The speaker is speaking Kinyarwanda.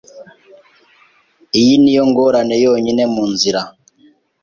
Iyi niyo ngorane yonyine mu nzira?